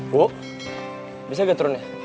bu bisa gak turun ya